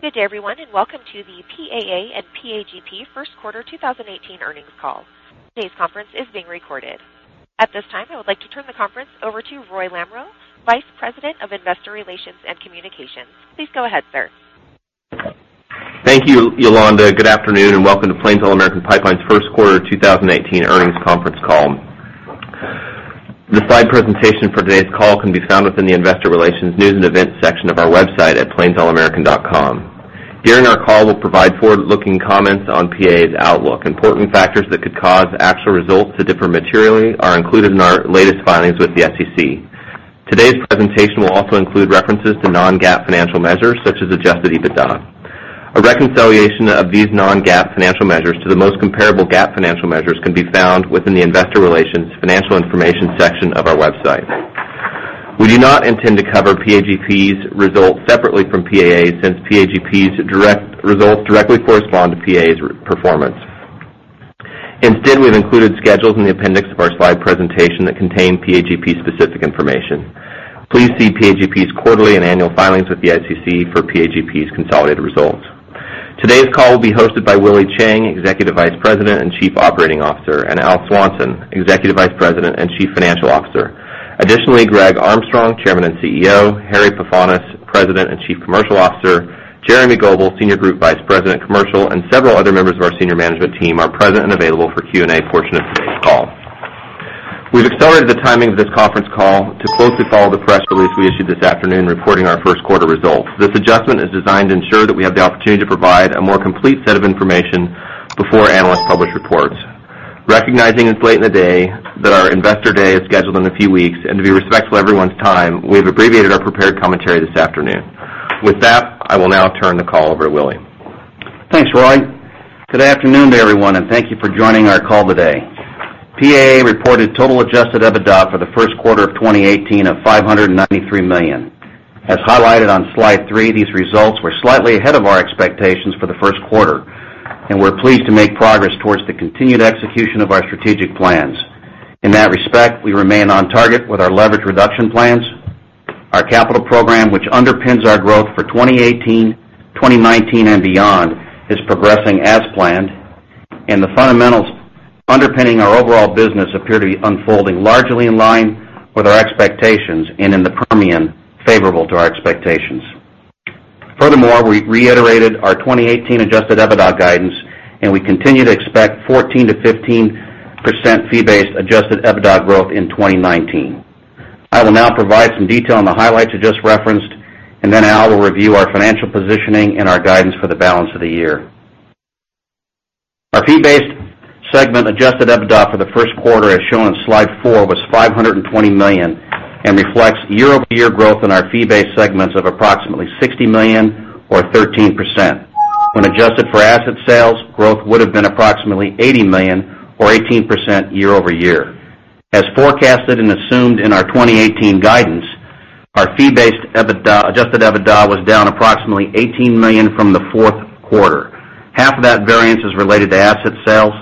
Good day everyone, welcome to the PAA and PAGP first quarter 2018 earnings call. Today's conference is being recorded. At this time, I would like to turn the conference over to Roy Lamoreaux, Vice President of Investor Relations and Communications. Please go ahead, sir. Thank you, Yolanda. Good afternoon, welcome to Plains All American Pipeline's first quarter 2018 earnings conference call. The slide presentation for today's call can be found within the investor relations news and events section of our website at plains.com. During our call, we'll provide forward-looking comments on PAA's outlook. Important factors that could cause actual results to differ materially are included in our latest filings with the SEC. Today's presentation will also include references to non-GAAP financial measures such as Adjusted EBITDA. A reconciliation of these non-GAAP financial measures to the most comparable GAAP financial measures can be found within the investor relations financial information section of our website. We do not intend to cover PAGP's results separately from PAA, since PAGP's direct results directly correspond to PAA's performance. Instead, we've included schedules in the appendix of our slide presentation that contain PAGP-specific information. Please see PAGP's quarterly and annual filings with the SEC for PAGP's consolidated results. Today's call will be hosted by Willie Chiang, Executive Vice President and Chief Operating Officer, and Al Swanson, Executive Vice President and Chief Financial Officer. Additionally, Greg Armstrong, Chairman and CEO, Harry Pefanis, President and Chief Commercial Officer, Jeremy Goebel, Senior Group Vice President, Commercial, and several other members of our senior management team are present and available for Q&A portion of today's call. We've accelerated the timing of this conference call to closely follow the press release we issued this afternoon reporting our first quarter results. This adjustment is designed to ensure that we have the opportunity to provide a more complete set of information before analysts publish reports. Recognizing it's late in the day, that our Investor Day is scheduled in a few weeks, and to be respectful of everyone's time, we've abbreviated our prepared commentary this afternoon. With that, I will now turn the call over to Willie. Thanks, Roy. Good afternoon to everyone, and thank you for joining our call today. PAA reported total Adjusted EBITDA for the first quarter of 2018 of $593 million. As highlighted on slide three, these results were slightly ahead of our expectations for the first quarter, and we're pleased to make progress towards the continued execution of our strategic plans. In that respect, we remain on target with our leverage reduction plans. Our capital program, which underpins our growth for 2018, 2019 and beyond, is progressing as planned, and the fundamentals underpinning our overall business appear to be unfolding largely in line with our expectations, and in the Permian, favorable to our expectations. Furthermore, we reiterated our 2018 Adjusted EBITDA guidance, and we continue to expect 14%-15% fee-based Adjusted EBITDA growth in 2019. I will now provide some detail on the highlights I just referenced. Al will review our financial positioning and our guidance for the balance of the year. Our fee-based segment Adjusted EBITDA for the first quarter, as shown on slide four, was $520 million and reflects year-over-year growth in our fee-based segments of approximately $60 million or 13%. When adjusted for asset sales, growth would've been approximately $80 million or 18% year-over-year. As forecasted and assumed in our 2018 guidance, our fee-based Adjusted EBITDA was down approximately $18 million from the fourth quarter. Half of that variance is related to asset sales.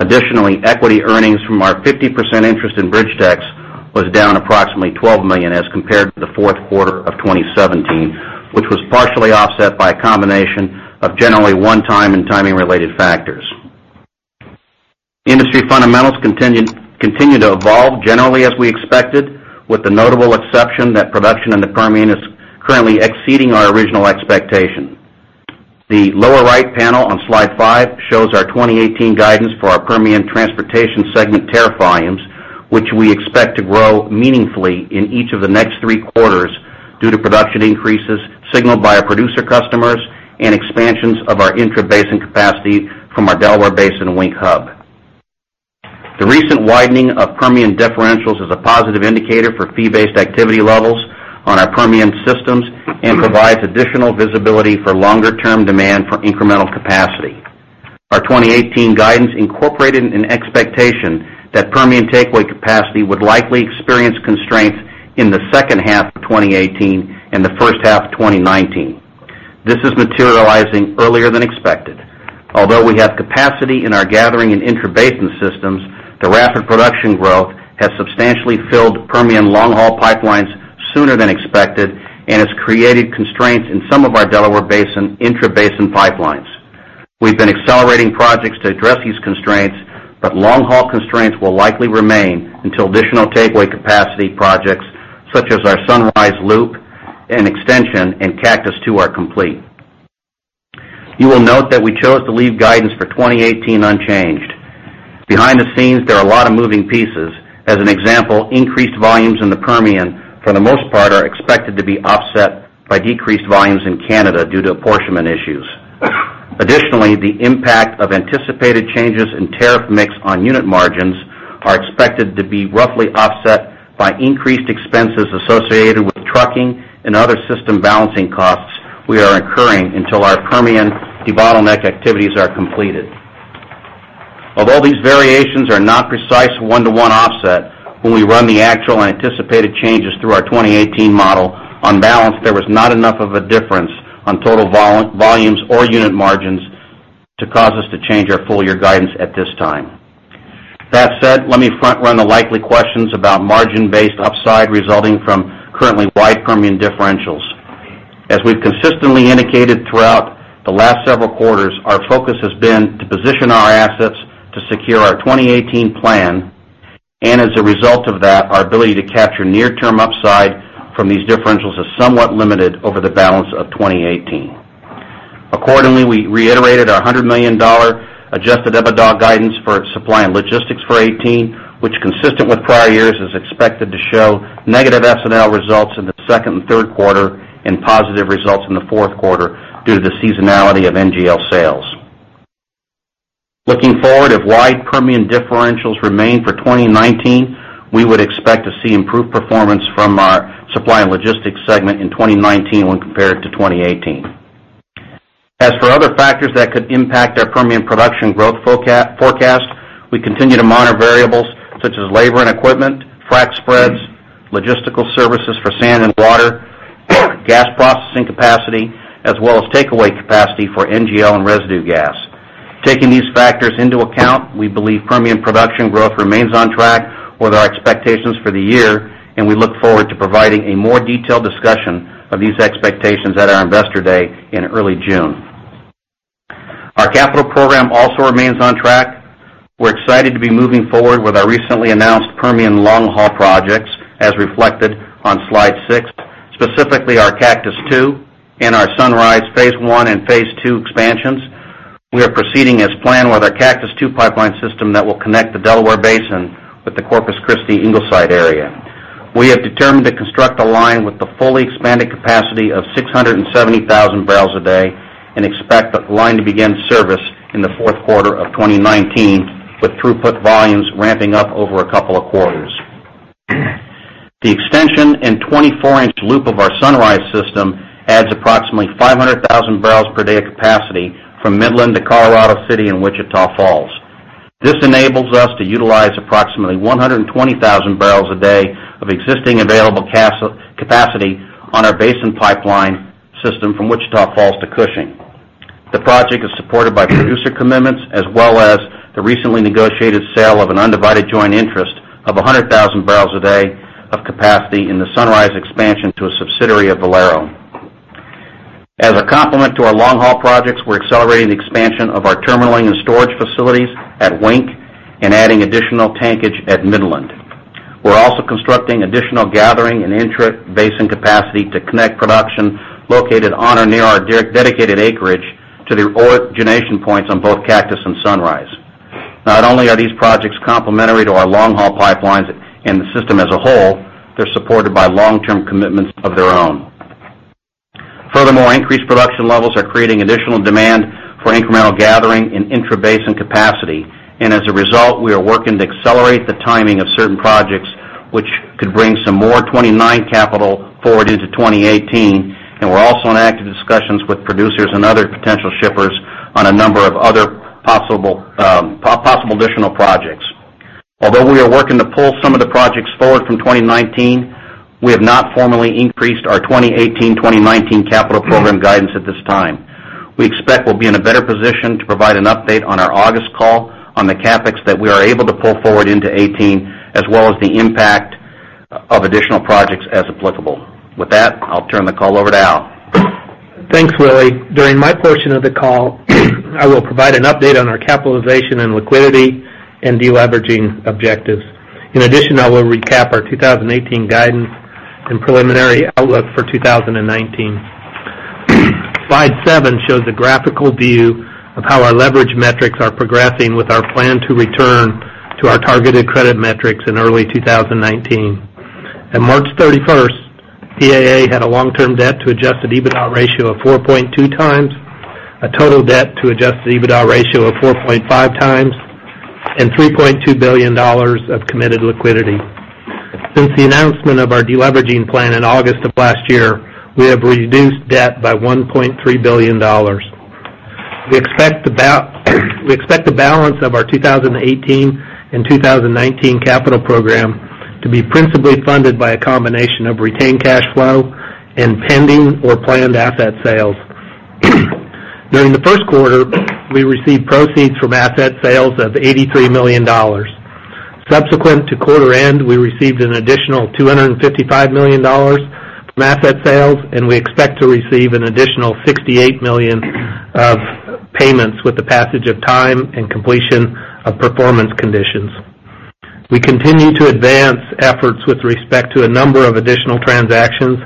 Additionally, equity earnings from our 50% interest in BridgeTex was down approximately $12 million as compared to the fourth quarter of 2017, which was partially offset by a combination of generally one-time and timing-related factors. Industry fundamentals continue to evolve generally as we expected, with the notable exception that production in the Permian is currently exceeding our original expectation. The lower right panel on slide five shows our 2018 guidance for our Permian Transportation segment tariff volumes, which we expect to grow meaningfully in each of the next three quarters due to production increases signaled by our producer customers and expansions of our intrabasin capacity from our Delaware Basin Wink Hub. The recent widening of Permian differentials is a positive indicator for fee-based activity levels on our Permian systems and provides additional visibility for longer-term demand for incremental capacity. Our 2018 guidance incorporated an expectation that Permian takeaway capacity would likely experience constraints in the second half of 2018 and the first half of 2019. This is materializing earlier than expected. Although we have capacity in our gathering and intrabasin systems, the rapid production growth has substantially filled Permian long-haul pipelines sooner than expected and has created constraints in some of our Delaware Basin intrabasin pipelines. We've been accelerating projects to address these constraints. Long-haul constraints will likely remain until additional takeaway capacity projects such as our Sunrise Loop and Extension and Cactus II are complete. You will note that we chose to leave guidance for 2018 unchanged. Behind the scenes, there are a lot of moving pieces. As an example, increased volumes in the Permian, for the most part, are expected to be offset by decreased volumes in Canada due to apportionment issues. Additionally, the impact of anticipated changes in tariff mix on unit margins are expected to be roughly offset by increased expenses associated with trucking and other system balancing costs we are incurring until our Permian debottleneck activities are completed. Although these variations are not precise one-to-one offset, when we run the actual anticipated changes through our 2018 model, on balance, there was not enough of a difference on total volumes or unit margins to cause us to change our full-year guidance at this time. That said, let me front-run the likely questions about margin-based upside resulting from currently wide Permian differentials. As we've consistently indicated throughout the last several quarters, our focus has been to position our assets to secure our 2018 plan. As a result of that, our ability to capture near-term upside from these differentials is somewhat limited over the balance of 2018. Accordingly, we reiterated our $100 million Adjusted EBITDA guidance for Supply and Logistics for 2018, which, consistent with prior years, is expected to show negative S&L results in the second and third quarter and positive results in the fourth quarter due to the seasonality of NGL sales. Looking forward, if wide Permian differentials remain for 2019, we would expect to see improved performance from our Supply and Logistics segment in 2019 when compared to 2018. As for other factors that could impact our Permian production growth forecast, we continue to monitor variables such as labor and equipment, frack spreads, logistical services for sand and water, gas processing capacity, as well as takeaway capacity for NGL and residue gas. Taking these factors into account, we believe Permian production growth remains on track with our expectations for the year, and we look forward to providing a more detailed discussion of these expectations at our investor day in early June. Our capital program also remains on track. We're excited to be moving forward with our recently announced Permian long-haul projects, as reflected on slide six, specifically our Cactus II and our Sunrise Phase One and Phase Two expansions. We are proceeding as planned with our Cactus II Pipeline system that will connect the Delaware Basin with the Corpus Christi Ingleside area. We have determined to construct a line with the fully expanded capacity of 670,000 barrels a day and expect the line to begin service in the fourth quarter of 2019, with throughput volumes ramping up over a couple of quarters. The extension and 24-inch loop of our Sunrise system adds approximately 500,000 barrels per day capacity from Midland to Colorado City and Wichita Falls. This enables us to utilize approximately 120,000 barrels a day of existing available capacity on our Basin Pipeline system from Wichita Falls to Cushing. The project is supported by producer commitments as well as the recently negotiated sale of an undivided joint interest of 100,000 barrels a day of capacity in the Sunrise expansion to a subsidiary of Valero. As a complement to our long-haul projects, we're accelerating the expansion of our terminalling and storage facilities at Wink and adding additional tankage at Midland. We're also constructing additional gathering and intrabasin capacity to connect production located on or near our dedicated acreage to the origination points on both Cactus and Sunrise. Not only are these projects complementary to our long-haul pipelines and the system as a whole, they're supported by long-term commitments of their own. Furthermore, increased production levels are creating additional demand for incremental gathering and intrabasin capacity. As a result, we are working to accelerate the timing of certain projects, which could bring some more 2019 capital forward into 2018. We're also in active discussions with producers and other potential shippers on a number of other possible additional projects. We are working to pull some of the projects forward from 2019, we have not formally increased our 2018-2019 capital program guidance at this time. We expect we'll be in a better position to provide an update on our August call on the CapEx that we are able to pull forward into 2018, as well as the impact of additional projects as applicable. With that, I'll turn the call over to Al. Thanks, Willie. During my portion of the call, I will provide an update on our capitalization and liquidity and deleveraging objectives. In addition, I will recap our 2018 guidance and preliminary outlook for 2019. Slide seven shows a graphical view of how our leverage metrics are progressing with our plan to return to our targeted credit metrics in early 2019. At March 31st, PAA had a long-term debt to Adjusted EBITDA ratio of 4.2 times, a total debt to Adjusted EBITDA ratio of 4.5 times, and $3.2 billion of committed liquidity. Since the announcement of our deleveraging plan in August of last year, we have reduced debt by $1.3 billion. We expect the balance of our 2018 and 2019 capital program to be principally funded by a combination of retained cash flow and pending or planned asset sales. During the first quarter, we received proceeds from asset sales of $83 million. Subsequent to quarter end, we received an additional $255 million from asset sales. We expect to receive an additional $68 million of payments with the passage of time and completion of performance conditions. We continue to advance efforts with respect to a number of additional transactions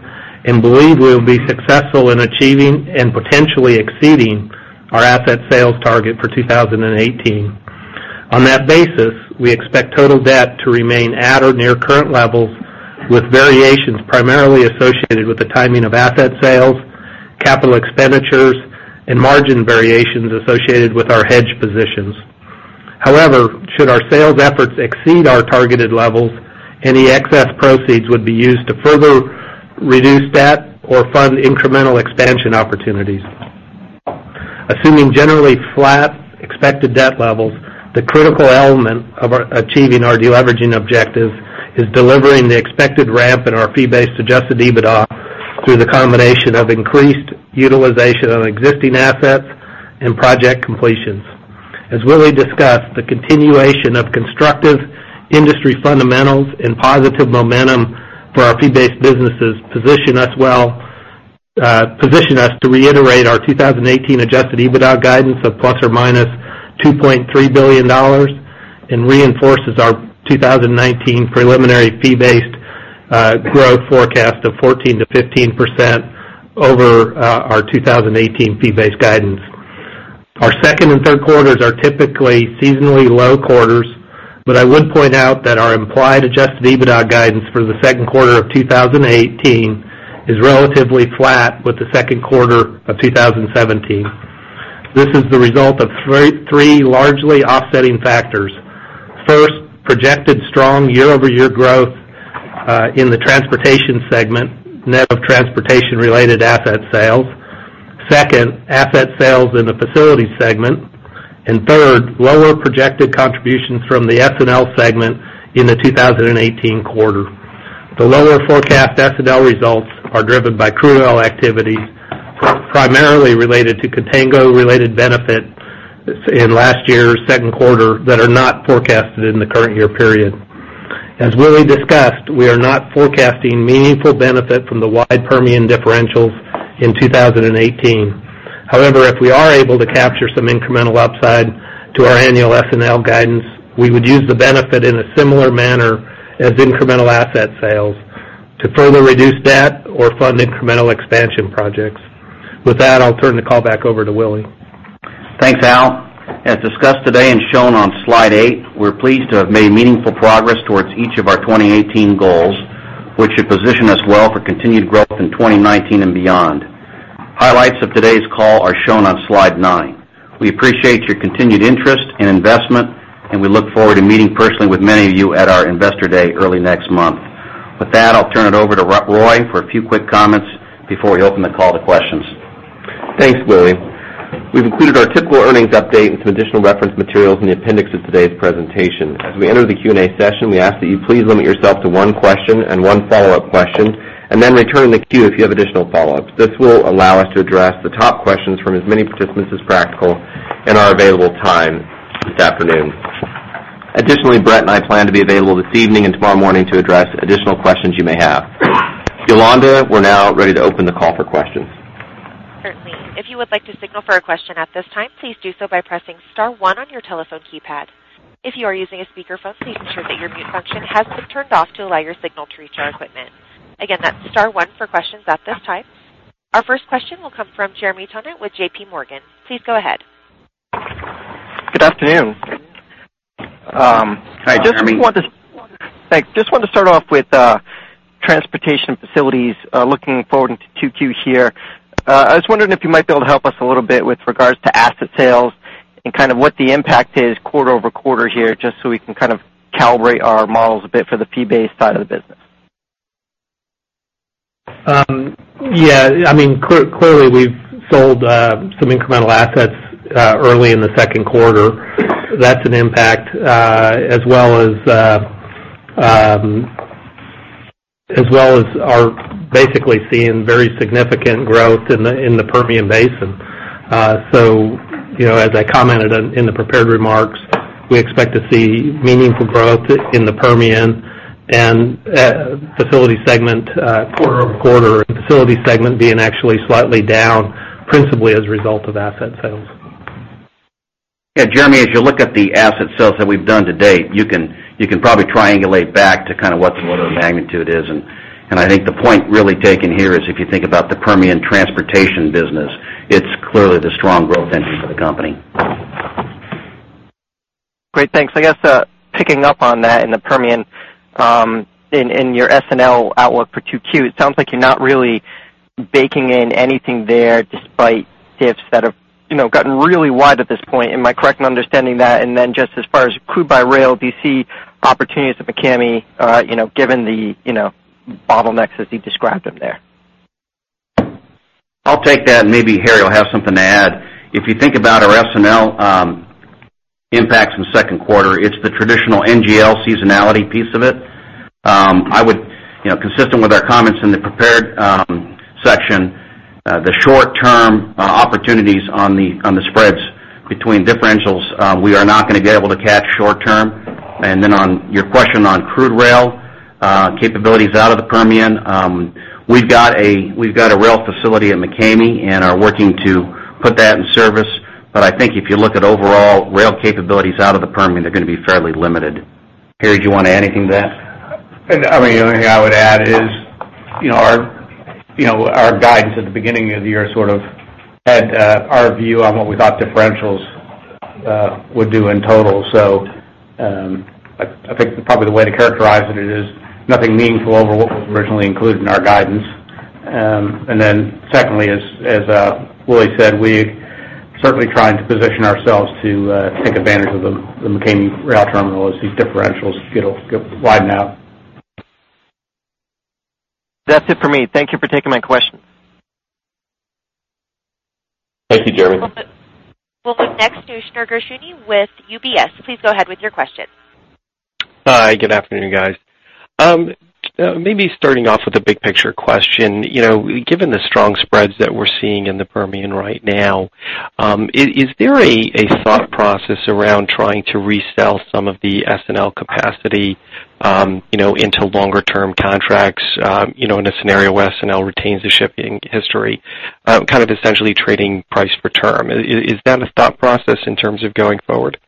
and believe we will be successful in achieving and potentially exceeding our asset sales target for 2018. On that basis, we expect total debt to remain at or near current levels with variations primarily associated with the timing of asset sales, capital expenditures, and margin variations associated with our hedge positions. Should our sales efforts exceed our targeted levels, any excess proceeds would be used to further reduce debt or fund incremental expansion opportunities. Assuming generally flat expected debt levels, the critical element of achieving our deleveraging objectives is delivering the expected ramp in our fee-based Adjusted EBITDA through the combination of increased utilization of existing assets and project completions. As Willie discussed, the continuation of constructive industry fundamentals and positive momentum for our fee-based businesses position us to reiterate our 2018 Adjusted EBITDA guidance of ±$2.3 billion. Reinforces our 2019 preliminary fee-based growth forecast of 14%-15% over our 2018 fee-based guidance. Our second and third quarters are typically seasonally low quarters, I would point out that our implied Adjusted EBITDA guidance for the second quarter of 2018 is relatively flat with the second quarter of 2017. This is the result of three largely offsetting factors. First, projected strong year-over-year growth in the transportation segment, net of transportation-related asset sales. Second, asset sales in the facilities segment. Third, lower projected contributions from the S&L segment in the 2018 quarter. The lower forecast S&L results are driven by crude oil activity, primarily related to contango-related benefit in last year's second quarter that are not forecasted in the current year period. As Willie discussed, we are not forecasting meaningful benefit from the wide Permian differentials in 2018. However, if we are able to capture some incremental upside to our annual S&L guidance, we would use the benefit in a similar manner as incremental asset sales to further reduce debt or fund incremental expansion projects. With that, I'll turn the call back over to Willie. Thanks, Al. As discussed today and shown on slide eight, we're pleased to have made meaningful progress towards each of our 2018 goals, which should position us well for continued growth in 2019 and beyond. Highlights of today's call are shown on slide nine. We appreciate your continued interest and investment. We look forward to meeting personally with many of you at our investor day early next month. With that, I'll turn it over to Roy for a few quick comments before we open the call to questions. Thanks, Willie. We've included our typical earnings update and some additional reference materials in the appendix of today's presentation. As we enter the Q&A session, we ask that you please limit yourself to one question and one follow-up question. Return in the queue if you have additional follow-ups. This will allow us to address the top questions from as many participants as practical in our available time this afternoon. Additionally, Brett and I plan to be available this evening and tomorrow morning to address additional questions you may have. Yolanda, we're now ready to open the call for questions. Certainly. If you would like to signal for a question at this time, please do so by pressing star one on your telephone keypad. If you are using a speakerphone, please ensure that your mute function has been turned off to allow your signal to reach our equipment. Again, that's star one for questions at this time. Our first question will come from Jeremy Tonet with J.P. Morgan. Please go ahead. Good afternoon. Hi, Jeremy. Thanks. Just wanted to start off with transportation facilities, looking forward into 2Q here. I was wondering if you might be able to help us a little bit with regards to asset sales and what the impact is quarter-over-quarter here, just so we can calibrate our models a bit for the fee-based side of the business. Yeah. Clearly, we've sold some incremental assets early in the second quarter. That's an impact as well as are basically seeing very significant growth in the Permian Basin. As I commented in the prepared remarks, we expect to see meaningful growth in the Permian and facility segment quarter-over-quarter, and facility segment being actually slightly down principally as a result of asset sales. Yeah, Jeremy, as you look at the asset sales that we've done to date, you can probably triangulate back to what the magnitude is. I think the point really taken here is if you think about the Permian transportation business, it's clearly the strong growth engine for the company. Great. Thanks. I guess, picking up on that in the Permian, in your S&L outlook for 2Q, it sounds like you're not really baking in anything there despite dips that have gotten really wide at this point. Am I correct in understanding that? Just as far as crude by rail, do you see opportunities at McCamey, given the bottlenecks as you described them there? I'll take that, and maybe Harry will have something to add. If you think about our S&L impacts in the second quarter, it's the traditional NGL seasonality piece of it. Consistent with our comments in the prepared section, the short-term opportunities on the spreads between differentials, we are not going to be able to catch short term. On your question on crude rail capabilities out of the Permian, we've got a rail facility at McCamey and are working to put that in service. I think if you look at overall rail capabilities out of the Permian, they're going to be fairly limited. Harry, do you want to add anything to that? The only thing I would add is our guidance at the beginning of the year sort of had our view on what we thought differentials would do in total. I think probably the way to characterize it is nothing meaningful over what was originally included in our guidance. Secondly, as Willie said, we're certainly trying to position ourselves to take advantage of the McCamey Rail Terminal as these differentials widen out. That's it for me. Thank you for taking my questions. Thank you, Jeremy. We'll move next to Shneur Gershuni with UBS. Please go ahead with your questions. Hi, good afternoon, guys. Maybe starting off with a big picture question. Given the strong spreads that we're seeing in the Permian right now, is there a thought process around trying to resell some of the S&L capacity into longer term contracts, in a scenario where S&L retains the shipping history, kind of essentially trading price for term? Is that a thought process in terms of going forward?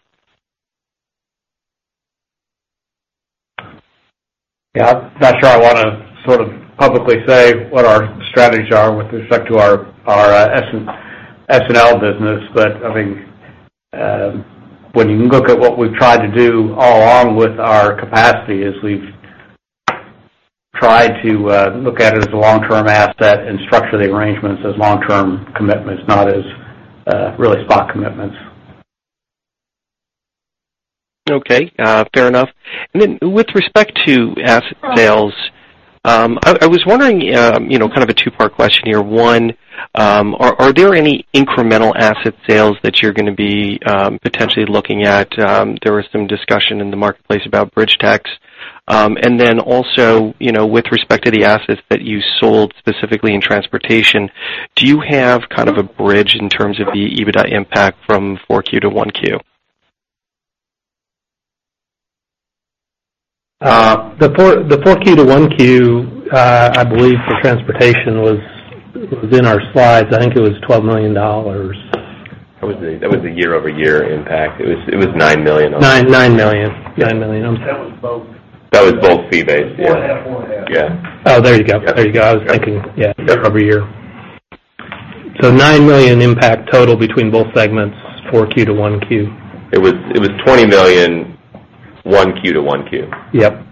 Yeah, I'm not sure I want to publicly say what our strategies are with respect to our S&L business. I think, when you can look at what we've tried to do all along with our capacity is we've tried to look at it as a long-term asset and structure the arrangements as long-term commitments, not as really spot commitments. Okay. Fair enough. With respect to asset sales, I was wondering, kind of a two-part question here. One, are there any incremental asset sales that you're going to be potentially looking at? There was some discussion in the marketplace about BridgeTex. Also, with respect to the assets that you sold specifically in transportation, do you have kind of a bridge in terms of the EBITDA impact from 4 Q to 1 Q? The 4 Q to 1 Q, I believe the transportation was in our slides. I think it was $12 million. That was the year-over-year impact. It was $9 million. $9 million. That was both fee-based. Yeah. There you go. I was thinking, yeah, year-over-year. $9 million impact total between both segments, 4Q to 1Q. It was $20 million, one Q to one Q. Yep.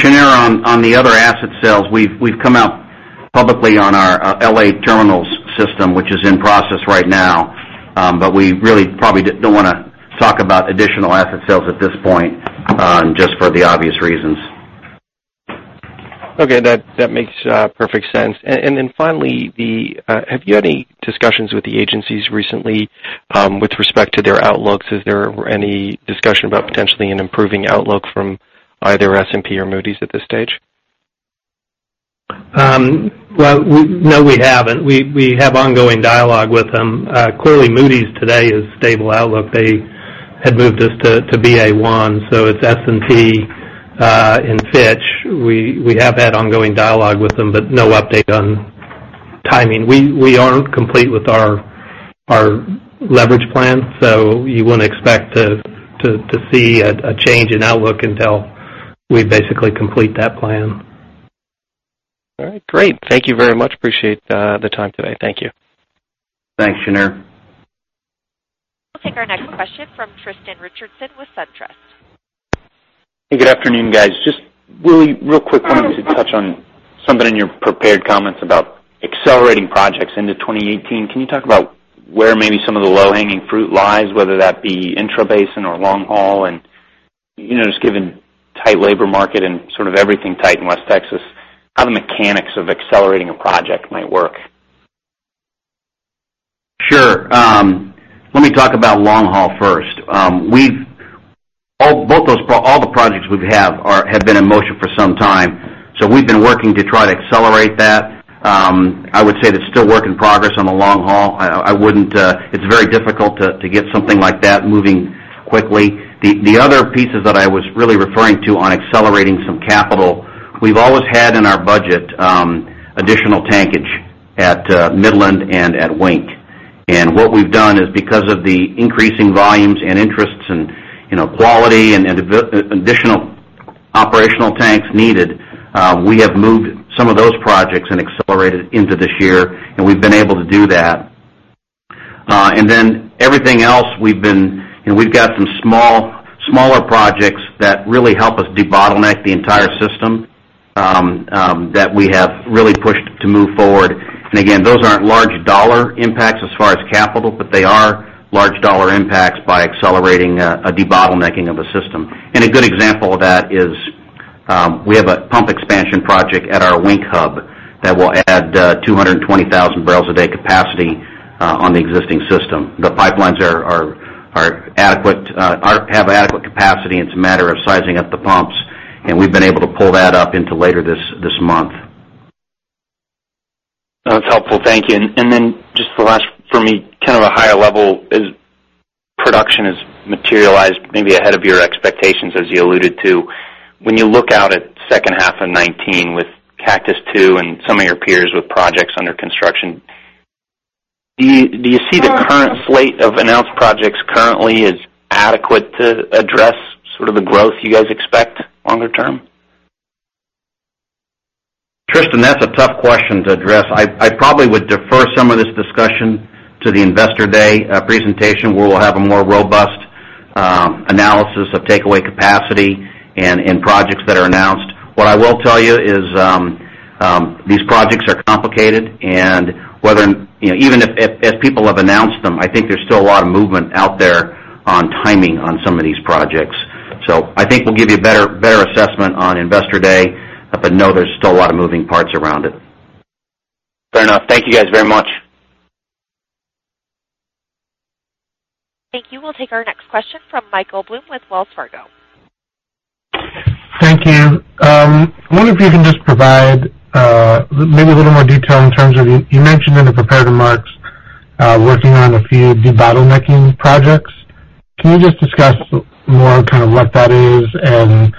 Shneur, on the other asset sales, we've come out publicly on our Los Angeles Terminals system, which is in process right now. We really probably don't want to talk about additional asset sales at this point, just for the obvious reasons. Okay. That makes perfect sense. Finally, have you had any discussions with the agencies recently with respect to their outlooks? Is there any discussion about potentially an improving outlook from either S&P Global Ratings or Moody's at this stage? No, we haven't. We have ongoing dialogue with them. Clearly, Moody's today is stable outlook. They had moved us to Ba1. It's S&P Global Ratings and Fitch. We have had ongoing dialogue with them, but no update on timing. We aren't complete with our leverage plan, so you wouldn't expect to see a change in outlook until we basically complete that plan. All right, great. Thank you very much. Appreciate the time today. Thank you. Thanks, Shneur. We'll take our next question from Tristan Richardson with SunTrust. Hey, good afternoon, guys. Just really real quick, wanted to touch on something in your prepared comments about accelerating projects into 2018. Can you talk about where maybe some of the low-hanging fruit lies, whether that be intrabasin or long haul and, just given tight labor market and sort of everything tight in West Texas, how the mechanics of accelerating a project might work? Sure. Let me talk about long haul first. All the projects we have had been in motion for some time. We've been working to try to accelerate that. I would say that's still work in progress on the long haul. It's very difficult to get something like that moving quickly. The other pieces that I was really referring to on accelerating some capital, we've always had in our budget additional tankage at Midland and at Wink. What we've done is because of the increasing volumes and interests and quality and additional operational tanks needed, we have moved some of those projects and accelerated into this year, and we've been able to do that. Everything else we've got some smaller projects that really help us debottleneck the entire system, that we have really pushed to move forward. Again, those aren't large dollar impacts as far as capital, but they are large dollar impacts by accelerating a debottlenecking of a system. A good example of that is, we have a pump expansion project at our Wink hub that will add 220,000 barrels a day capacity on the existing system. The pipelines have adequate capacity. It's a matter of sizing up the pumps, and we've been able to pull that up into later this month. That's helpful. Thank you. Just the last for me, kind of a higher level. As production has materialized maybe ahead of your expectations, as you alluded to, when you look out at second half of 2019 with Cactus II and some of your peers with projects under construction, do you see the current slate of announced projects currently as adequate to address sort of the growth you guys expect longer term? Tristan, that's a tough question to address. I probably would defer some of this discussion to the Investor Day presentation, where we'll have a more robust analysis of takeaway capacity and projects that are announced. What I will tell you is these projects are complicated. Even as people have announced them, I think there's still a lot of movement out there on timing on some of these projects. I think we'll give you a better assessment on Investor Day. No, there's still a lot of moving parts around it. Fair enough. Thank you guys very much. Thank you. We'll take our next question from Michael Blum with Wells Fargo. Thank you. I wonder if you can just provide maybe a little more detail in terms of, you mentioned in the prepared remarks, working on a few debottlenecking projects. Can you just discuss more kind of what that is, and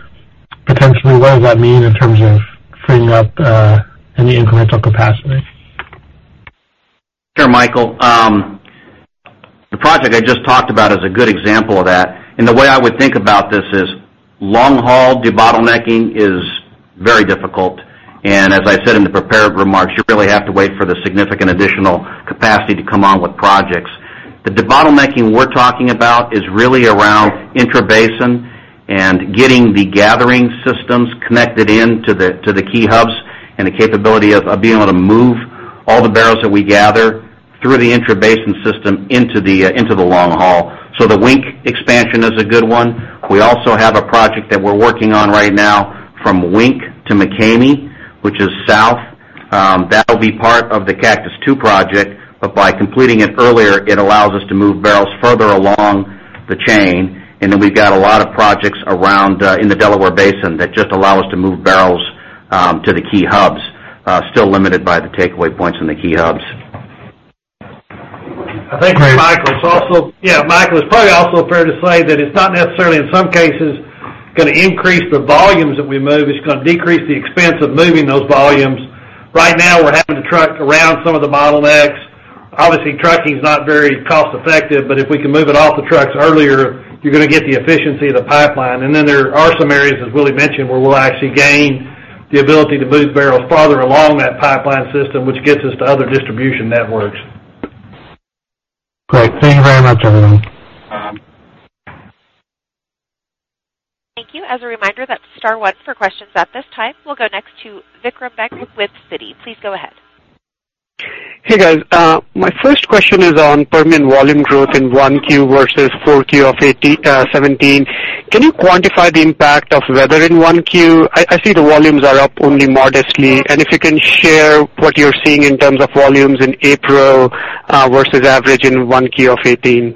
potentially what does that mean in terms of freeing up any incremental capacity? Sure, Michael. The project I just talked about is a good example of that. The way I would think about this is long-haul debottlenecking is very difficult. As I said in the prepared remarks, you really have to wait for the significant additional capacity to come on with projects. The debottlenecking we're talking about is really around intrabasin and getting the gathering systems connected into the key hubs. The capability of being able to move all the barrels that we gather through the intrabasin system into the long haul. The Wink expansion is a good one. We also have a project that we're working on right now from Wink to McCamey, which is south. That'll be part of the Cactus II project. By completing it earlier, it allows us to move barrels further along the chain. We've got a lot of projects around in the Delaware Basin that just allow us to move barrels to the key hubs, still limited by the takeaway points in the key hubs. I think, Michael, it's probably also fair to say that it's not necessarily, in some cases, going to increase the volumes that we move. It's going to decrease the expense of moving those volumes. Right now, we're having to truck around some of the bottlenecks. Obviously, trucking is not very cost-effective, but if we can move it off the trucks earlier, you're going to get the efficiency of the pipeline. There are some areas, as Willie mentioned, where we'll actually gain the ability to move barrels farther along that pipeline system, which gets us to other distribution networks. Great. Thank you very much, everyone. Thank you. As a reminder, that's star one for questions at this time. We'll go next to Vikram Vegh with Citi. Please go ahead. Hey, guys. My first question is on Permian volume growth in 1Q versus 4Q of 2017. Can you quantify the impact of weather in 1Q? I see the volumes are up only modestly. If you can share what you're seeing in terms of volumes in April versus average in 1Q of 2018.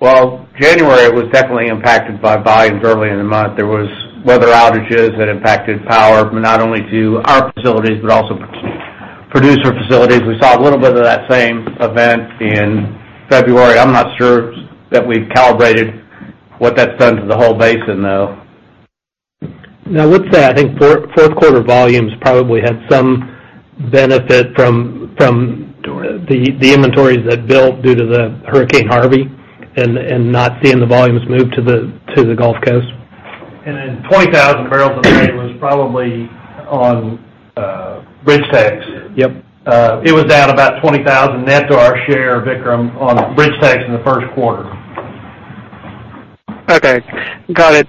Well, January was definitely impacted by volume early in the month. There was weather outages that impacted power, not only to our facilities but also producer facilities. We saw a little bit of that same event in February. I'm not sure that we've calibrated what that's done to the whole basin, though. I would say, I think fourth quarter volumes probably had some benefit from the inventories that built due to Hurricane Harvey and not seeing the volumes move to the Gulf Coast. 20,000 barrels a day was probably on BridgeTex. Yep. It was down about 20,000 net to our share, Vikram, on BridgeTex in the first quarter. Okay. Got it.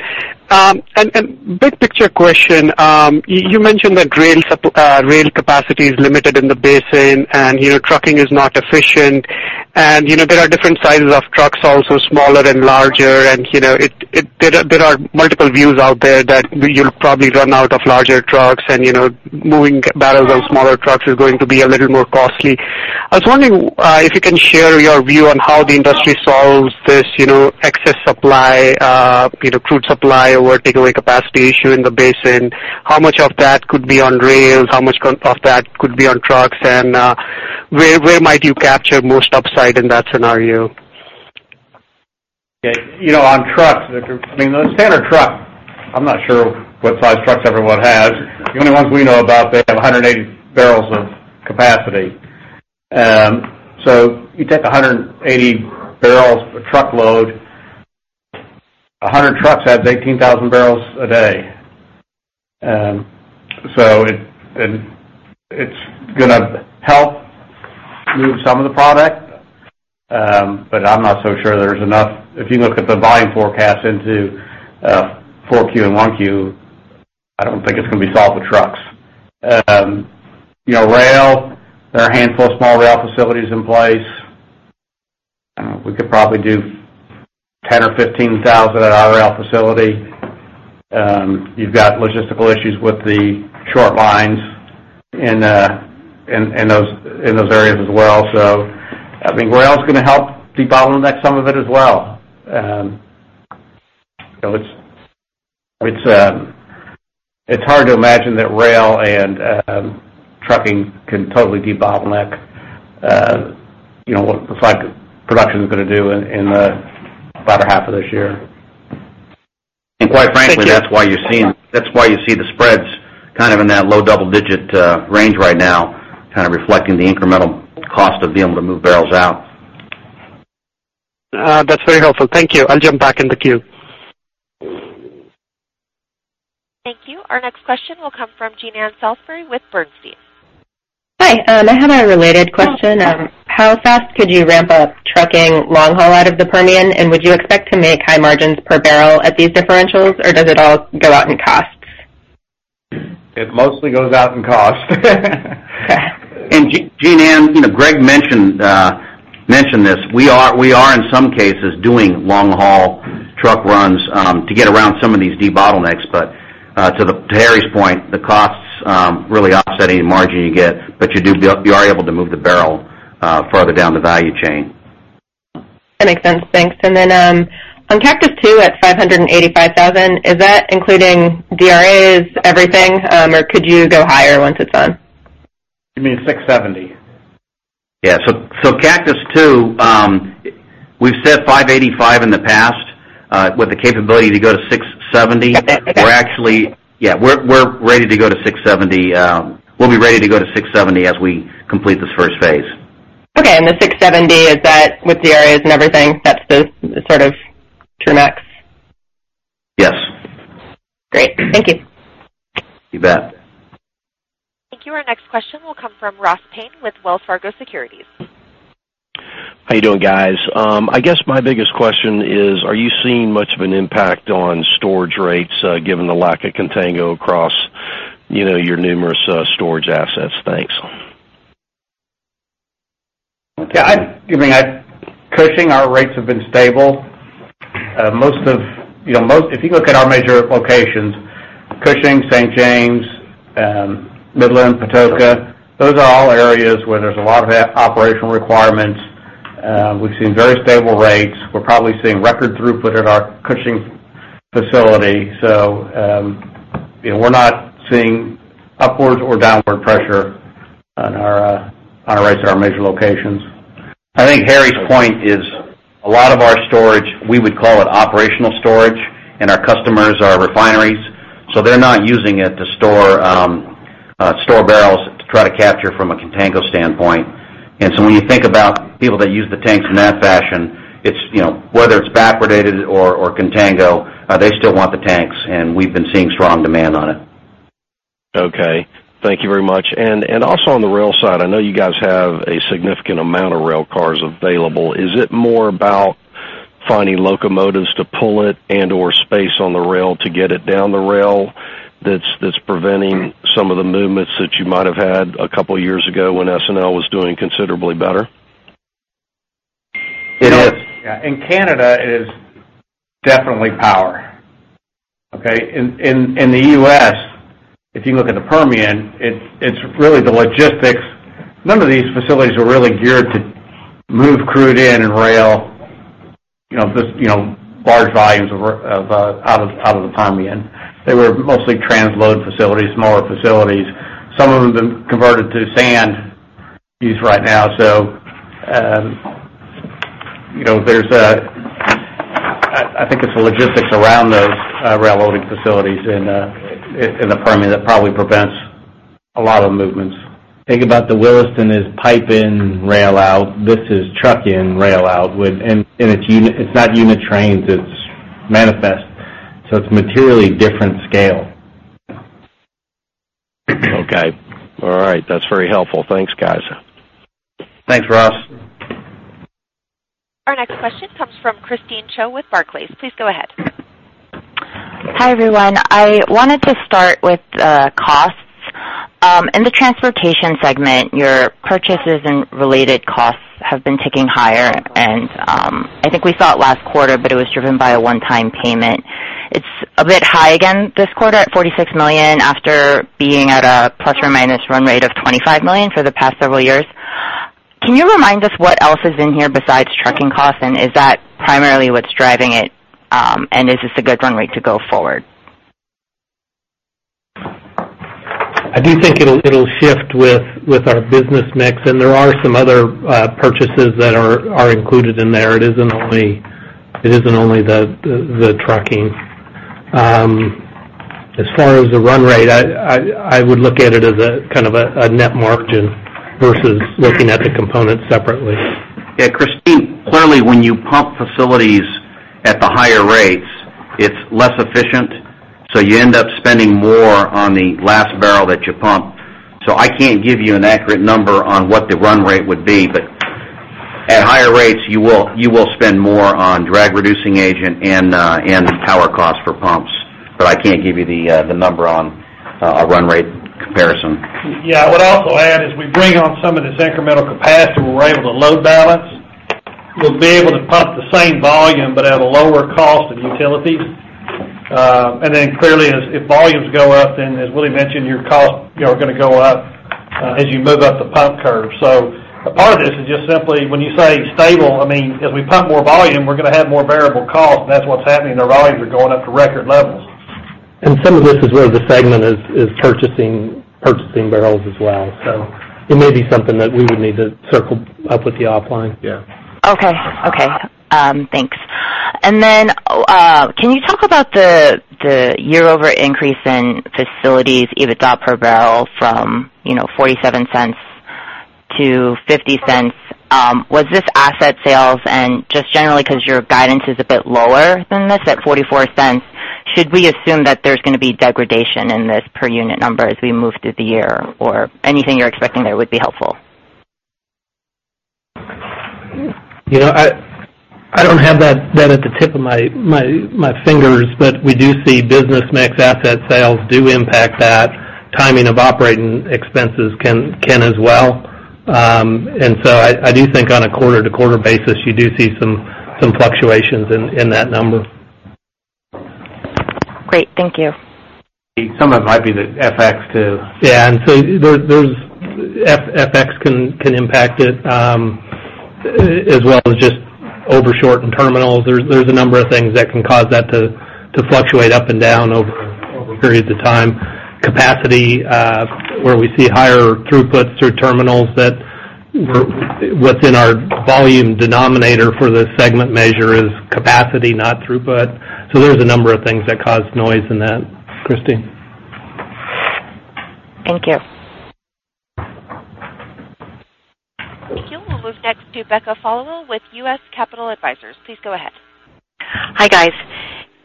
Big picture question. You mentioned that rail capacity is limited in the basin, trucking is not efficient. There are different sizes of trucks also, smaller and larger. There are multiple views out there that you'll probably run out of larger trucks and moving barrels on smaller trucks is going to be a little more costly. I was wondering if you can share your view on how the industry solves this excess supply, crude supply or takeaway capacity issue in the basin. How much of that could be on rails? How much of that could be on trucks? Where might you capture most upside in that scenario? On trucks, Vikram, the standard truck, I'm not sure what size trucks everyone has. The only ones we know about, they have 180 barrels of capacity. You take 180 barrels a truckload, 100 trucks, that's 18,000 barrels a day. It's going to help move some of the product. I'm not so sure there's enough. If you look at the volume forecast into 4Q and 1Q, I don't think it's going to be solved with trucks. Rail, there are a handful of small rail facilities in place. We could probably do 10,000 or 15,000 at our rail facility. You've got logistical issues with the short lines in those areas as well. Rail's going to help debottleneck some of it as well. It's hard to imagine that rail and trucking can totally debottleneck what the site production is going to do in the latter half of this year. Quite frankly, that's why you see the spreads kind of in that low double-digit range right now, kind of reflecting the incremental cost of being able to move barrels out. That's very helpful. Thank you. I'll jump back in the queue. Thank you. Our next question will come from Jean Ann Salisbury with Bernstein. Hi. I have a related question. How fast could you ramp up trucking long haul out of the Permian, and would you expect to make high margins per barrel at these differentials, or does it all go out in costs? It mostly goes out in cost. Jean Ann, Greg mentioned this. We are, in some cases, doing long-haul truck runs to get around some of these bottlenecks. To Harry's point, the costs really offset any margin you get, but you are able to move the barrel further down the value chain. That makes sense. Thanks. Then on Cactus II at 585,000, is that including DRAs, everything, or could you go higher once it's done? You mean 670. Yeah. Cactus II, we've said 585 in the past, with the capability to go to 670. Okay. We're ready to go to 670. We'll be ready to go to 670 as we complete this first phase. Okay. The 670, is that with DRAs and everything, that's the sort of true max? Yes. Great. Thank you. You bet. Thank you. Our next question will come from Ross Payne with Wells Fargo Securities. How you doing, guys? I guess my biggest question is, are you seeing much of an impact on storage rates, given the lack of contango across your numerous storage assets? Thanks. Yeah. Cushing, our rates have been stable. If you look at our major locations, Cushing, St. James, Midland, Patoka, those are all areas where there's a lot of operational requirements. We've seen very stable rates. We're probably seeing record throughput at our Cushing facility. We're not seeing upwards or downward pressure on our rates at our major locations. I think Harry's point is a lot of our storage, we would call it operational storage, and our customers are refineries. They're not using it to store barrels to try to capture from a contango standpoint. When you think about people that use the tanks in that fashion, whether it's backwardated or contango, they still want the tanks, and we've been seeing strong demand on it. Okay. Thank you very much. Also on the rail side, I know you guys have a significant amount of rail cars available. Is it more about finding locomotives to pull it and/or space on the rail to get it down the rail that's preventing some of the movements that you might have had a couple of years ago when S&L was doing considerably better? It is. Yeah. In Canada, it is definitely power. Okay? In the U.S., if you look at the Permian, it's really the logistics. None of these facilities are really geared to move crude in and rail large volumes out of the Permian. They were mostly transload facilities, smaller facilities. Some of them converted to sand use right now. I think it's the logistics around those rail loading facilities in the Permian that probably prevents a lot of movements. Think about the Williston is pipe in, rail out. This is truck in, rail out. It's not unit trains, it's manifest. It's materially different scale. Okay. All right. That's very helpful. Thanks, guys. Thanks, Ross. Our next question comes from Christine Cho with Barclays. Please go ahead. Hi, everyone. I wanted to start with the costs. In the transportation segment, your purchases and related costs have been ticking higher. I think we saw it last quarter, but it was driven by a one-time payment. It's a bit high again this quarter at $46 million after being at a ± run rate of $25 million for the past several years. Can you remind us what else is in here besides trucking costs? Is that primarily what's driving it? Is this a good run rate to go forward? I do think it'll shift with our business mix. There are some other purchases that are included in there. It isn't only the trucking. As far as the run rate, I would look at it as a kind of a net margin versus looking at the components separately. Yeah, Christine, clearly, when you pump facilities at the higher rates, it's less efficient, you end up spending more on the last barrel that you pump. I can't give you an accurate number on what the run rate would be, but at higher rates, you will spend more on drag-reducing agent and power costs for pumps. I can't give you the number on a run rate comparison. Yeah. I would also add, as we bring on some of this incremental capacity, we're able to load balance. We'll be able to pump the same volume but at a lower cost of utilities. Clearly, if volumes go up, as Willie mentioned, your costs are going to go up as you move up the pump curve. A part of this is just simply when you say stable, as we pump more volume, we're going to have more variable costs, and that's what's happening. The volumes are going up to record levels. Some of this is where the segment is purchasing barrels as well. It may be something that we would need to circle up with you offline. Yeah. Okay. Thanks. Can you talk about the year-over-year increase in facilities EBITDA per barrel from $0.47-$0.50? Was this asset sales? Just generally, because your guidance is a bit lower than this at $0.44, should we assume that there's going to be degradation in this per unit number as we move through the year? Anything you're expecting there would be helpful. I don't have that at the tip of my fingers, but we do see business mix asset sales do impact that. Timing of operating expenses can as well. I do think on a quarter-to-quarter basis, you do see some fluctuations in that number. Great. Thank you. Some of it might be the FX, too. Yeah, FX can impact it, as well as just over/short in terminals. There's a number of things that can cause that to fluctuate up and down over periods of time. Capacity, where we see higher throughputs through terminals that within our volume denominator for this segment measure is capacity, not throughput. There's a number of things that cause noise in that. Christine? Thank you. Thank you. We'll move next to Becca Followill with US Capital Advisors. Please go ahead. Hi, guys.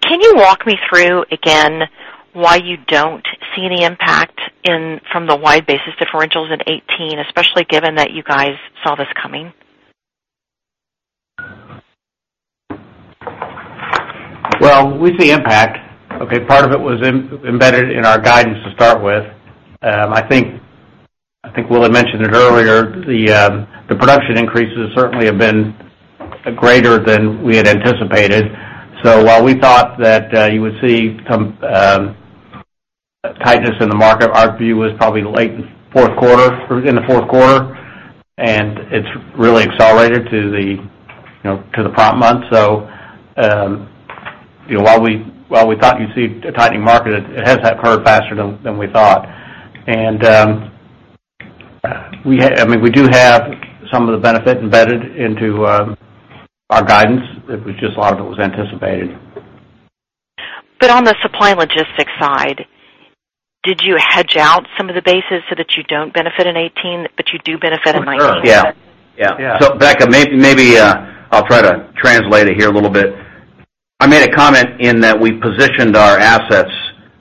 Can you walk me through again why you don't see any impact from the wide basis differentials in 2018, especially given that you guys saw this coming? Well, we see impact. Okay? Part of it was embedded in our guidance to start with. I think Willie mentioned it earlier, the production increases certainly have been greater than we had anticipated. While we thought that you would see some tightness in the market, our view was probably late fourth quarter, in the fourth quarter, and it's really accelerated to the prompt month. While we thought you'd see a tightening market, it has occurred faster than we thought. We do have some of the benefit embedded into our guidance. It was just a lot of it was anticipated. On the supply logistics side, did you hedge out some of the basis so that you don't benefit in 2018, but you do benefit in 2019? Yeah. Yeah. Becca, maybe I'll try to translate it here a little bit. I made a comment in that we positioned our assets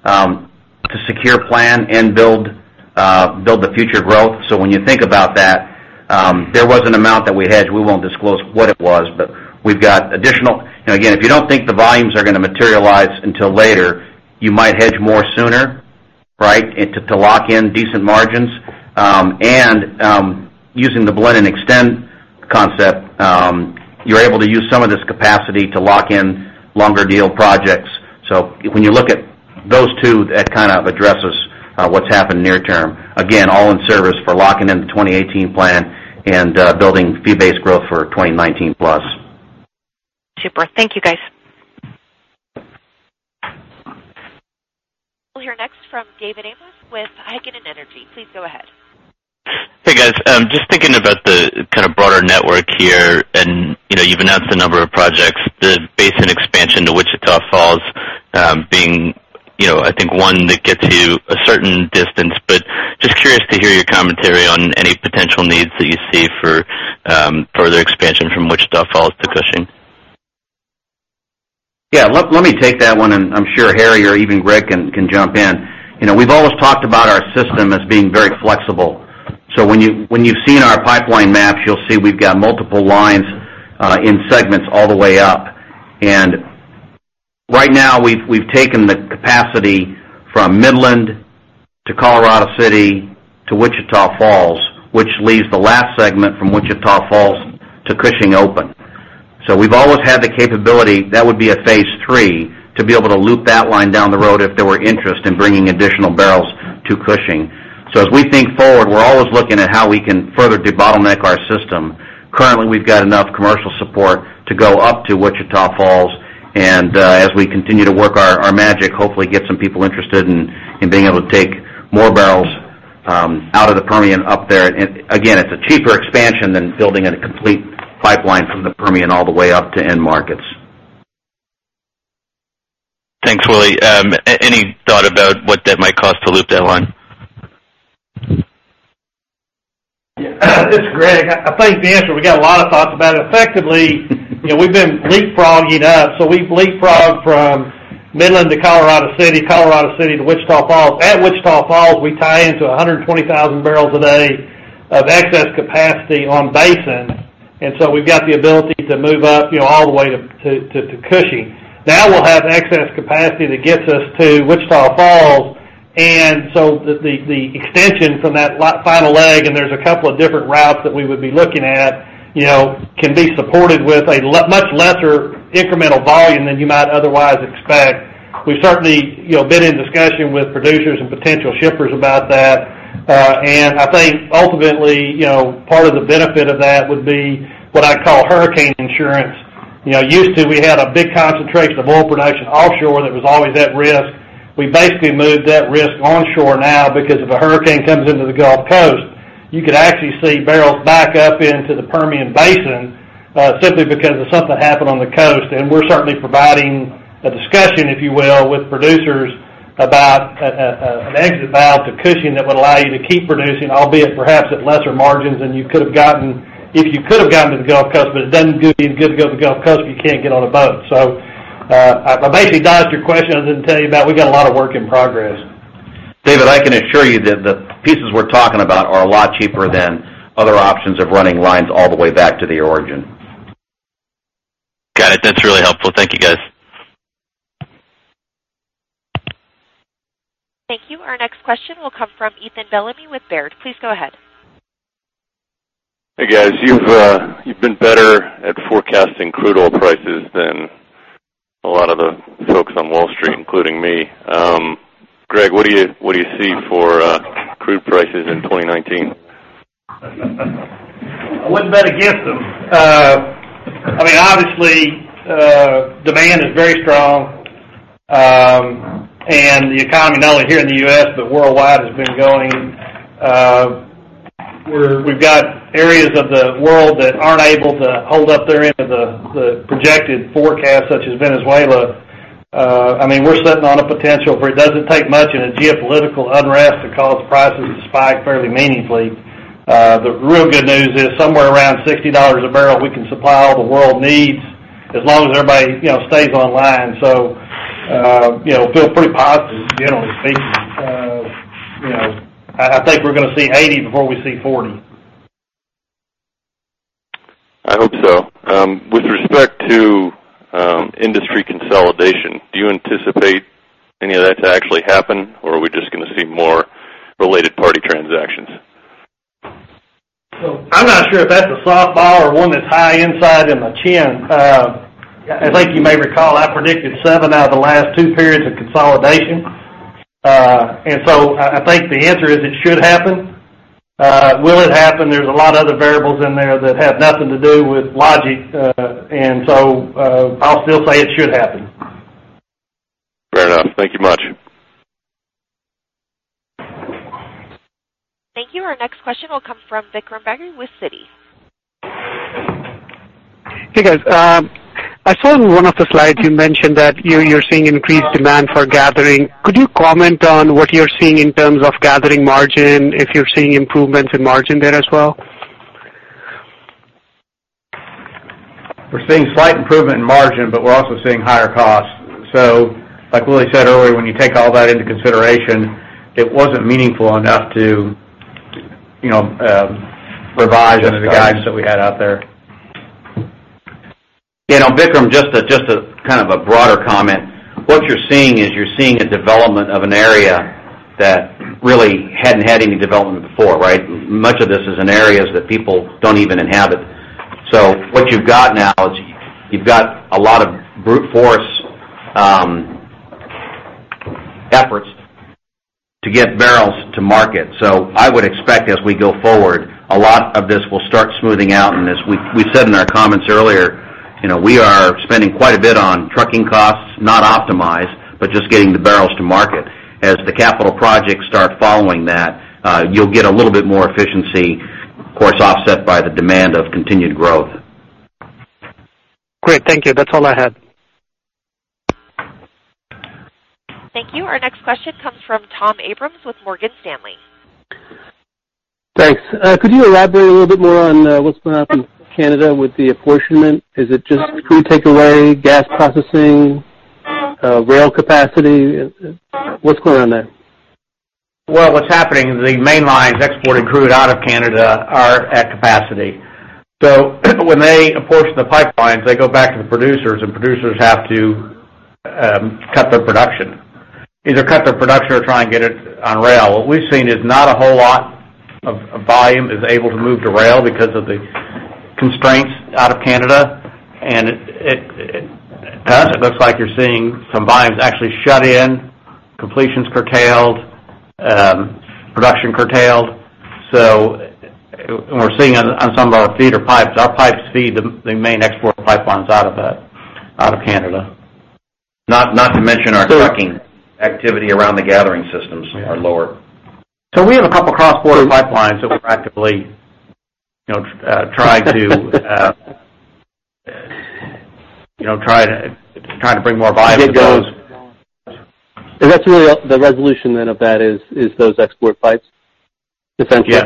to secure plan and build the future growth. When you think about that, there was an amount that we hedged. We won't disclose what it was, but we've got additional again, if you don't think the volumes are going to materialize until later, you might hedge more sooner, right, to lock in decent margins. Using the blend-and-extend concept, you're able to use some of this capacity to lock in longer deal projects. When you look at those two, that kind of addresses what's happened near term. Again, all in service for locking in the 2018 plan and building fee-based growth for 2019 plus. Super. Thank you, guys. We'll hear next from David Amos with Heikkinen Energy Advisors. Please go ahead. Hey, guys. Just thinking about the kind of broader network here, and you've announced a number of projects, the Basin expansion to Wichita Falls being I think one that gets you a certain distance, but just curious to hear your commentary on any potential needs that you see for further expansion from Wichita Falls to Cushing. Yeah, let me take that one, and I'm sure Harry or even Greg can jump in. We've always talked about our system as being very flexible. When you've seen our pipeline maps, you'll see we've got multiple lines in segments all the way up. Right now, we've taken the capacity from Midland to Colorado City to Wichita Falls, which leaves the last segment from Wichita Falls to Cushing open. We've always had the capability, that would be a phase three, to be able to loop that line down the road if there were interest in bringing additional barrels to Cushing. As we think forward, we're always looking at how we can further debottleneck our system. Currently, we've got enough commercial support to go up to Wichita Falls, and as we continue to work our magic, hopefully get some people interested in being able to take more barrels out of the Permian up there. Again, it's a cheaper expansion than building a complete pipeline from the Permian all the way up to end markets. Thanks, Willie. Any thought about what that might cost to loop that line? This is Greg. I think the answer, we got a lot of thoughts about it. Effectively, we've been leapfrogging up. We've leapfrogged from Midland to Colorado City, Colorado City to Wichita Falls. At Wichita Falls, we tie into 120,000 barrels a day of excess capacity on Basin. We've got the ability to move up all the way up to Cushing. Now we'll have excess capacity that gets us to Wichita Falls, the extension from that final leg, and there's a couple of different routes that we would be looking at, can be supported with a much lesser incremental volume than you might otherwise expect. We've certainly been in discussion with producers and potential shippers about that. I think ultimately, part of the benefit of that would be what I call hurricane insurance. Used to, we had a big concentration of oil production offshore that was always at risk. We basically moved that risk onshore now because if a hurricane comes into the Gulf Coast, you could actually see barrels back up into the Permian Basin simply because of something that happened on the coast. We're certainly providing a discussion, if you will, with producers about an exit valve to Cushing that would allow you to keep producing, albeit perhaps at lesser margins than you could've gotten if you could've gotten to the Gulf Coast. It doesn't do you any good to go to the Gulf Coast if you can't get on a boat. I basically dodged your question other than tell you about we got a lot of work in progress. David, I can assure you that the pieces we're talking about are a lot cheaper than other options of running lines all the way back to the origin. Got it. That's really helpful. Thank you, guys. Thank you. Our next question will come from Ethan Bellamy with Baird. Please go ahead. Hey, guys. You've been better at forecasting crude oil prices than a lot of the folks on Wall Street, including me. Greg, what do you see for crude prices in 2019? I wouldn't bet against them. Obviously, demand is very strong. The economy not only here in the U.S., but worldwide, has been going. We've got areas of the world that aren't able to hold up their end of the projected forecast, such as Venezuela. We're sitting on a potential where it doesn't take much in a geopolitical unrest to cause prices to spike fairly meaningfully. The real good news is somewhere around $60 a barrel, we can supply all the world needs as long as everybody stays online. Feel pretty positive, generally speaking. I think we're going to see $80 before we see $40. I hope so. With respect to industry consolidation, do you anticipate any of that to actually happen, or are we just going to see more related party transactions? I'm not sure if that's a softball or one that's high inside in the chin. I think you may recall, I predicted seven out of the last two periods of consolidation. I think the answer is it should happen. Will it happen? There's a lot of other variables in there that have nothing to do with logic. I'll still say it should happen. Fair enough. Thank you much. Thank you. Our next question will come from Vikram Bagri with Citi. Hey, guys. I saw in one of the slides you mentioned that you're seeing increased demand for gathering. Could you comment on what you're seeing in terms of gathering margin, if you're seeing improvements in margin there as well? We're seeing slight improvement in margin, but we're also seeing higher costs. Like Willie said earlier, when you take all that into consideration, it wasn't meaningful enough to revise any of the guidance that we had out there. Vikram, just a broader comment. What you're seeing is you're seeing a development of an area that really hadn't had any development before, right? Much of this is in areas that people don't even inhabit. What you've got now is you've got a lot of brute force efforts to get barrels to market. I would expect as we go forward, a lot of this will start smoothing out. As we said in our comments earlier, we are spending quite a bit on trucking costs, not optimized, but just getting the barrels to market. As the capital projects start following that, you'll get a little bit more efficiency, of course, offset by the demand of continued growth. Great. Thank you. That's all I had. Thank you. Our next question comes from Tom Abrams with Morgan Stanley. Thanks. Could you elaborate a little bit more on what's going on in Canada with the apportionment? Is it just crude takeaway, gas processing, rail capacity? What's going on there? Well, what's happening is the main lines exporting crude out of Canada are at capacity. When they apportion the pipelines, they go back to the producers, and producers have to cut their production. Either cut their production or try and get it on rail. What we've seen is not a whole lot of volume is able to move to rail because of the constraints out of Canada, and to us, it looks like you're seeing some volumes actually shut in, completions curtailed, production curtailed. We're seeing on some of our feeder pipes, our pipes feed the main export pipelines out of Canada. Not to mention our trucking activity around the gathering systems are lower. We have a couple cross-border pipelines that we're actively trying to bring more volume to those. Is that really the resolution then of that is those export pipes, essentially? Yes.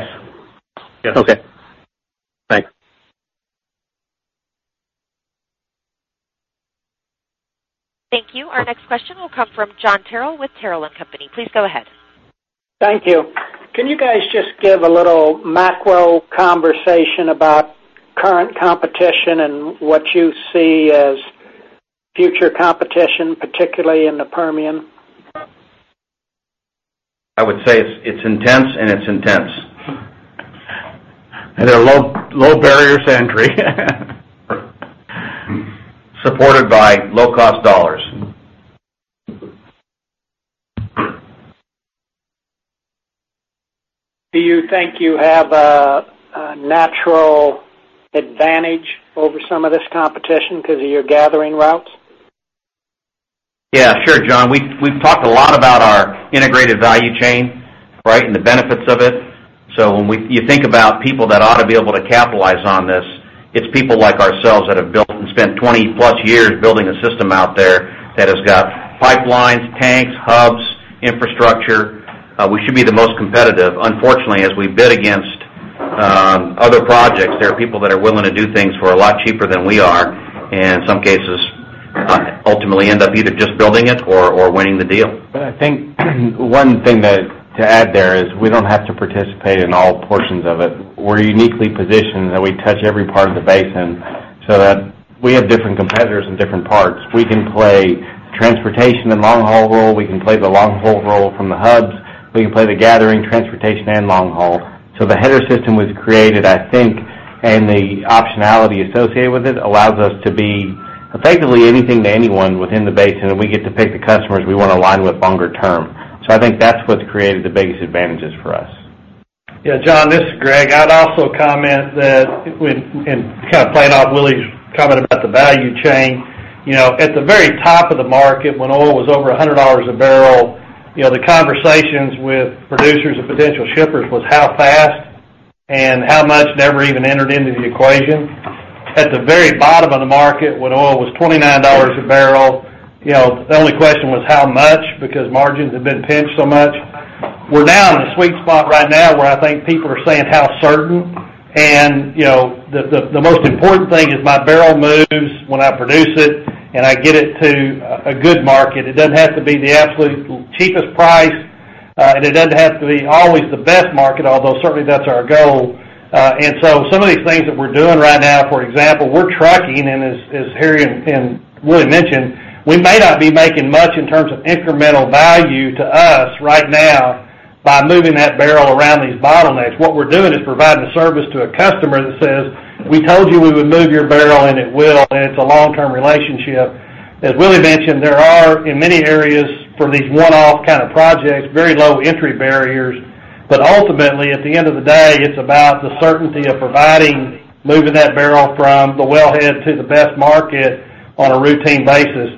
Yes. Okay. Thanks. Thank you. Our next question will come from John Terril with Terril and Company. Please go ahead. Thank you. Can you guys just give a little macro conversation about current competition and what you see as future competition, particularly in the Permian? I would say it's intense, and it's intense. There are low barriers to entry. Supported by low-cost dollars. Do you think you have a natural advantage over some of this competition because of your gathering routes? Yeah. Sure, John Terril. We've talked a lot about our integrated value chain, right? The benefits of it. When you think about people that ought to be able to capitalize on this, it's people like ourselves that have built and spent 20-plus years building a system out there that has got pipelines, tanks, hubs, infrastructure. We should be the most competitive. Unfortunately, as we bid against other projects, there are people that are willing to do things for a lot cheaper than we are, and in some cases, ultimately end up either just building it or winning the deal. I think one thing to add there is we don't have to participate in all portions of it. We're uniquely positioned that we touch every part of the basin so that we have different competitors in different parts. We can play transportation and long-haul role. We can play the long-haul role from the hubs. We can play the gathering, transportation, and long haul. The header system was created, I think, and the optionality associated with it allows us to be effectively anything to anyone within the basin, and we get to pick the customers we want to align with longer term. I think that's what's created the biggest advantages for us. Yeah, John Terril, this is Greg Armstrong. I'd also comment that, playing off Willie Chiang's comment about the value chain. At the very top of the market, when oil was over $100 a barrel, the conversations with producers and potential shippers was how fast and how much never even entered into the equation. At the very bottom of the market, when oil was $29 a barrel, the only question was how much, because margins had been pinched so much. We're now in the sweet spot right now where I think people are saying how certain, the most important thing is my barrel moves when I produce it and I get it to a good market. It doesn't have to be the absolute cheapest price, and it doesn't have to be always the best market, although certainly that's our goal. Some of these things that we're doing right now, for example, we're trucking, and as Harry Pefanis and Willie Chiang mentioned, we may not be making much in terms of incremental value to us right now by moving that barrel around these bottlenecks. What we're doing is providing a service to a customer that says, "We told you we would move your barrel, and it will." It's a long-term relationship. As Willie Chiang mentioned, there are, in many areas for these one-off kind of projects, very low entry barriers. Ultimately, at the end of the day, it's about the certainty of providing, moving that barrel from the wellhead to the best market on a routine basis.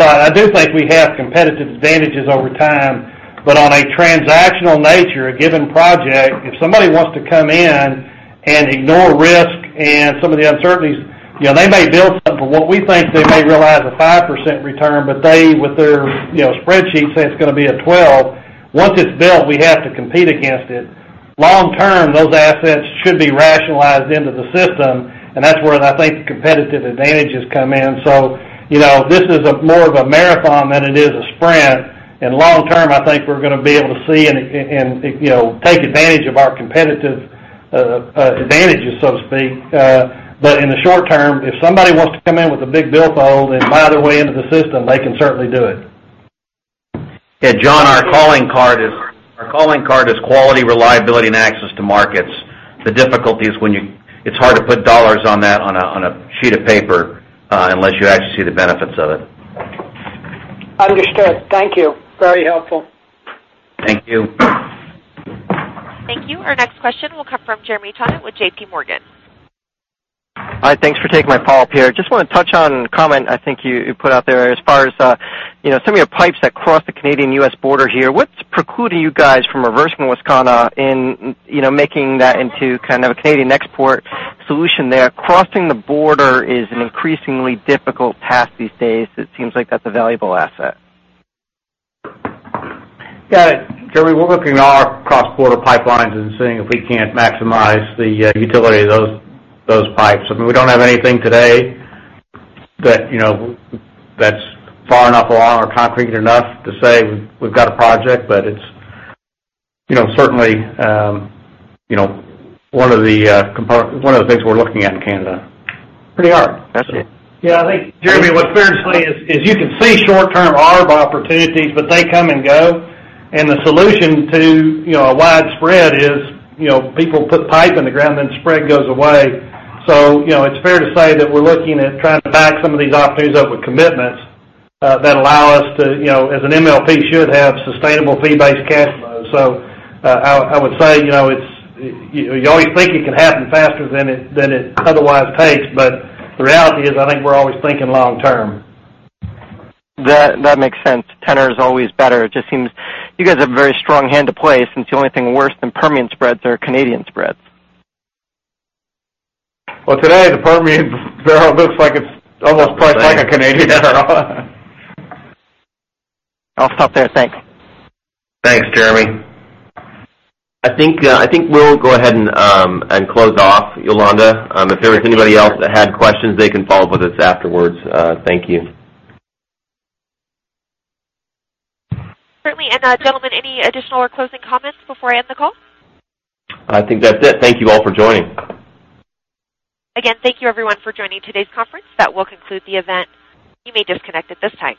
I do think we have competitive advantages over time. On a transactional nature, a given project, if somebody wants to come in and ignore risk and some of the uncertainties, they may build something for what we think they may realize a 5% return, but they, with their spreadsheet, say it's going to be a 12. Once it's built, we have to compete against it. Long term, those assets should be rationalized into the system, and that's where I think the competitive advantages come in. This is more of a marathon than it is a sprint. In long term, I think we're going to be able to see and take advantage of our competitive advantages, so to speak. In the short term, if somebody wants to come in with a big billfold and buy their way into the system, they can certainly do it. John, our calling card is quality, reliability, and access to markets. The difficulty is when it's hard to put dollars on that on a sheet of paper, unless you actually see the benefits of it. Understood. Thank you. Very helpful. Thank you. Thank you. Our next question will come from Jeremy Tonet with JPMorgan. Hi. Thanks for taking my call, [Will]. Just want to touch on a comment I think you put out there as far as some of your pipes that cross the Canadian-U.S. border here. What's precluding you guys from reversing Wascana and making that into a Canadian export solution there? Crossing the border is an increasingly difficult path these days. It seems like that's a valuable asset. Yeah. Jeremy, we're looking at all our cross-border pipelines and seeing if we can't maximize the utility of those pipes. I mean, we don't have anything today that's far enough along or concrete enough to say we've got a project, but it's certainly one of the things we're looking at in Canada pretty hard. Got you. I think, Jeremy, what's fair to say is you can see short-term arb opportunities, but they come and go. The solution to a wide spread is people put pipe in the ground, spread goes away. It's fair to say that we're looking at trying to back some of these opportunities up with commitments that allow us to, as an MLP should have, sustainable fee-based cash flows. I would say, you always think it can happen faster than it otherwise takes. The reality is, I think we're always thinking long term. That makes sense. Tenor's always better. It just seems you guys have a very strong hand to play since the only thing worse than Permian spreads are Canadian spreads. Well, today, the Permian barrel looks like it's almost priced like a Canadian barrel. I'll stop there. Thanks. Thanks, Jeremy. I think we'll go ahead and close off, Yolanda. If there was anybody else that had questions, they can follow up with us afterwards. Thank you. Certainly. Gentlemen, any additional or closing comments before I end the call? I think that's it. Thank you all for joining. Again, thank you everyone for joining today's conference. That will conclude the event. You may disconnect at this time.